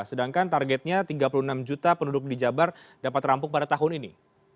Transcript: sedangkan targetnya tiga puluh enam juta penduduk di jabar dapat rampung pada tahun ini